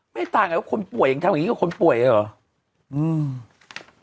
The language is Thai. ไม่ต่างกันว่าคนป่วยอย่างเท่านี้ก็คนป่วยเลยหรอ